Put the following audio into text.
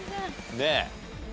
ねえ。